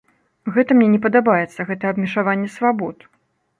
Гэта мне не падабаецца, гэта абмежаванне свабод.